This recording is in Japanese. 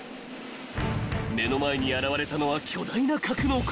［目の前に現れたのは巨大な格納庫。